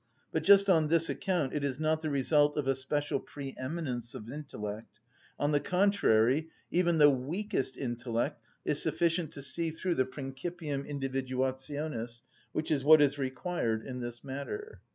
But just on this account it is not the result of a special pre‐eminence of intellect; on the contrary, even the weakest intellect is sufficient to see through the principium individuationis, which is what is required in this matter.